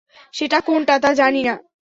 সেটা কোনটা, তা জানি না।